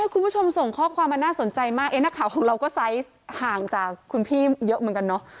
คุณผู้ชมส่งข้อความมาน่าสนใจมากนักข่าวของเราก็ไซส์ห่างจากคุณพี่เยอะเหมือนกันเนอะ